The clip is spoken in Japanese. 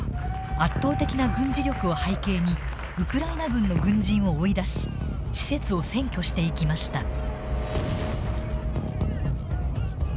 圧倒的な軍事力を背景にウクライナ軍の軍人を追い出し施設を占拠していきました。